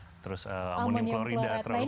alkyl dimethylbenzila ammonium klorida terlalu panjang